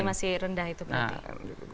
masih rendah itu berarti